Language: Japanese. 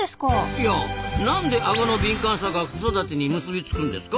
いやなんでアゴの敏感さが子育てに結び付くんですか？